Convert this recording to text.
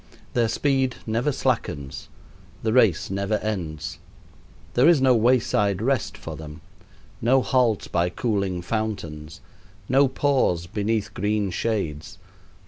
Their speed never slackens, the race never ends. There is no wayside rest for them, no halt by cooling fountains, no pause beneath green shades.